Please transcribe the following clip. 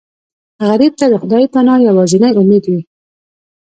غریب ته د خدای پناه یوازینی امید وي